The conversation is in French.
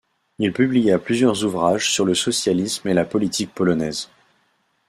Il publia plusieurs ouvrages sur le socialisme et la politique polonaise.